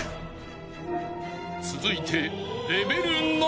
［続いて］